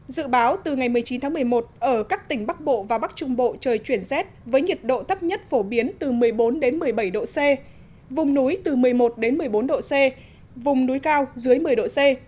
dự báo từ ngày một mươi chín tháng một mươi một ở các tỉnh bắc bộ và bắc trung bộ trời chuyển rét với nhiệt độ thấp nhất phổ biến từ một mươi bốn một mươi bảy độ c vùng núi từ một mươi một một mươi bốn độ c vùng núi cao dưới một mươi độ c